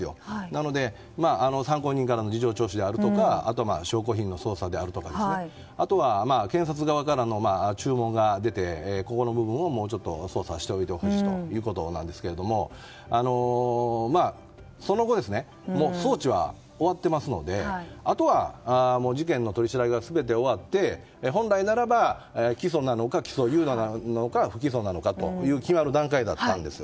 なので、参考人からの事情聴取であるとかあとは証拠品の捜査であるとかですね。あとは、検察側からの注文が出てここの部分をもうちょっと捜査してほしいということなんですけどその後、もう送致は終わっていますのであとは、事件の取り調べが全て終わって本来ならば、起訴なのか起訴猶予なのか不起訴なのかというのが決まる段階だったんです。